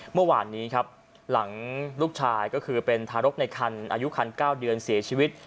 เมื่อวานนี้ครับหลังลูกชายก็คือเป็นทารกในคันอายุคัน๙เดือนเสียชีวิต